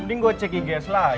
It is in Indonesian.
mending gue cek igs lagi